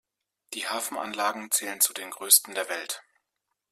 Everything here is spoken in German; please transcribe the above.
Die Hafenanlagen zählen zu den größten der Welt.